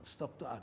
stok itu ada